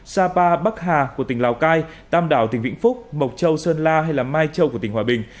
sapa bắc hà của tỉnh lào cai tam đảo tỉnh vĩnh phúc mộc châu sơn la hay mai châu của tỉnh hòa bình